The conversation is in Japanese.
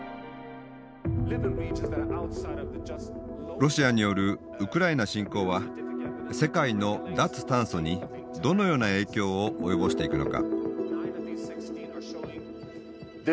ロシアによるウクライナ侵攻は世界の脱炭素にどのような影響を及ぼしていくのか。